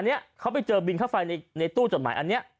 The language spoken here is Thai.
นี้เค้าไปเจอบินข้าวไฟในตู้จดหมาย